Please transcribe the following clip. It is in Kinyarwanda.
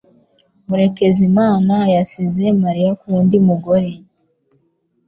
Murekezimana yasize Mariya ku wundi mugore